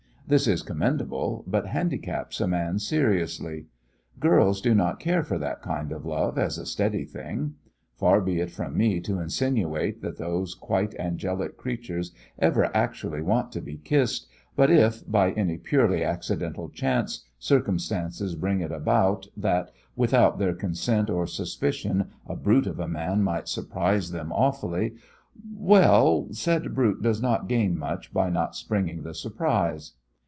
This is commendable, but handicaps a man seriously. Girls do not care for that kind of love as a steady thing. Far be it from me to insinuate that those quite angelic creatures ever actually want to be kissed; but if, by any purely accidental chance, circumstances bring it about that, without their consent or suspicion, a brute of a man might surprise them awfully well, said brute does not gain much by not springing the surprise.